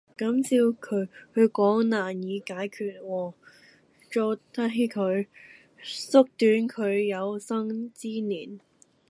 咁照佢講唔難解決喔，做低佢!縮短佢有生之年!